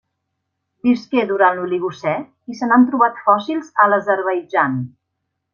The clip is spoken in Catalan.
Visqué durant l'Oligocè i se n'han trobat fòssils a l'Azerbaidjan.